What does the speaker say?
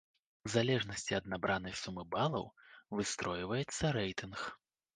У залежнасці ад набранай сумы балаў, выстройваецца рэйтынг.